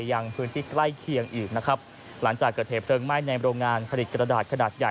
ยังพื้นที่ใกล้เคียงอีกนะครับหลังจากเกิดเหตุเพลิงไหม้ในโรงงานผลิตกระดาษขนาดใหญ่